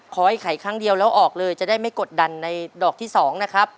ขอให้ขายครั้งเดียวแล้วออกเลยจะได้ไม่กดดันนะครับ